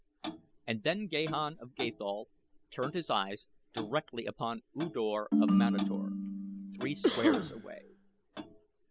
And then Gahan of Gathol turned his eyes directly upon U Dor of Manator, three squares away.